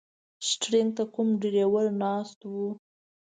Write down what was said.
شټرنګ ته کوم ډریور ناست و.